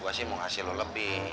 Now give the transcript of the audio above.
gua sih mau kasih lu lebih